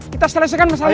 kita selesaikan masalah ini